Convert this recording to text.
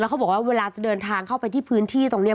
เขาบอกว่าเวลาจะเดินทางเข้าไปที่พื้นที่ตรงนี้